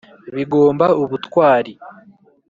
bigomba ubutwari !